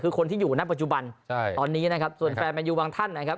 คือคนที่อยู่ณปัจจุบันใช่ตอนนี้นะครับส่วนแฟนแมนยูบางท่านนะครับ